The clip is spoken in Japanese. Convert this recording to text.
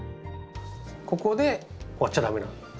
ここで終わっちゃ駄目なんです。